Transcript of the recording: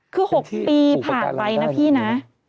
คือ๖ปีผ่านไปนะพี่นะ